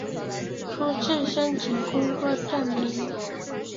初次申请工作证明